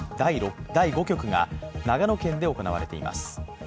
第５局が長野県で行われています。